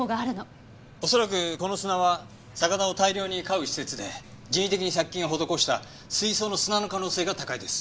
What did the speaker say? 恐らくこの砂は魚を大量に飼う施設で人為的に殺菌を施した水槽の砂の可能性が高いです。